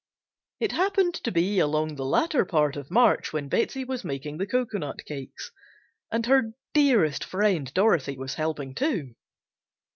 It happened to be along the latter part of March when Betsey was making the "Cocoanut Cakes" and her "dearest friend" Dorothy was helping too.